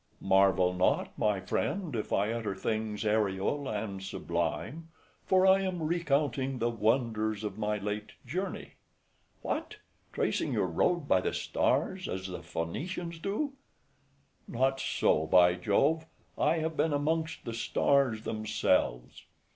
MENIPPUS. Marvel not, my friend, if I utter things aerial and sublime; for I am recounting the wonders of my late journey. FRIEND. What! tracing your road by the stars, as the Phoenicians do! MENIPPUS. Not so, by Jove! I have been amongst the stars themselves.